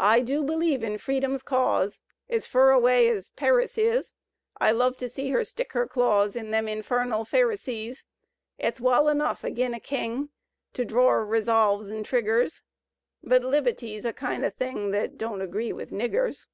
I du believe in Freedom's cause, Ez fur away ez Payris is; I love to see her stick her claws In them infarnal Phayrisees; It's wal enough agin a king To dror resolves an' triggers, — But libbaty's a kind o' thing Thet don't agree with niggers.